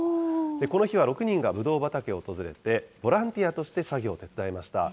この日は６人がぶどう畑を訪れて、ボランティアとして作業を手伝いました。